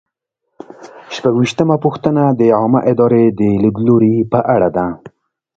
شپږویشتمه پوښتنه د عامه ادارې د لیدلوري په اړه ده.